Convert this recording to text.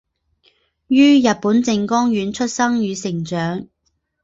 于日本静冈县出生与成长。